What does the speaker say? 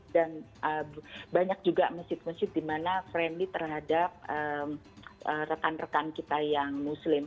dan banyak juga masjid masjid di mana friendly terhadap rekan rekan kita yang muslim